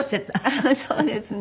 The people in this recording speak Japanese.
あっそうですね。